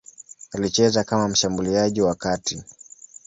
Alicheza kama mshambuliaji wa kati.